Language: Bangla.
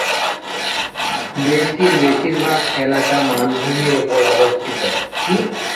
দেশটির বেশিরভাগ এলাকা মালভূমির উপর অবস্থিত।